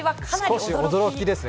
少し驚きですね。